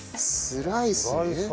スライスね。